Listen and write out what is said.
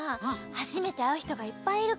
はじめてあうひとがいっぱいいるから。